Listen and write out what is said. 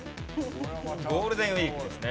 ゴールデンウィークですね。